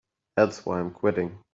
That's why I'm quitting.